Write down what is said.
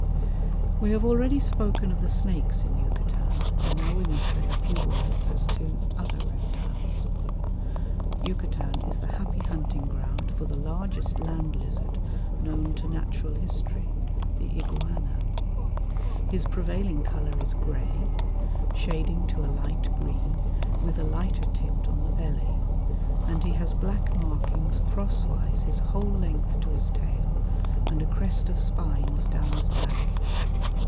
We have already spoken of the snakes in Yucatan, and now we must say a few words as to other reptiles. Yucatan is the happy hunting ground for the largest land lizard known to Natural History, the iguana. His prevailing colour is grey, shading to a light green with a lighter tint on the belly, and he has black markings crosswise his whole length to his tail and a crest of spines down his back.